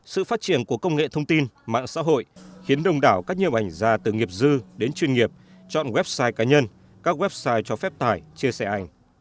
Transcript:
sự phát triển của công nghệ thông tin mạng xã hội khiến đồng đảo các nhiếp ảnh gia từ nghiệp dư đến chuyên nghiệp chọn website cá nhân các website cho phép tài chia sẻ ảnh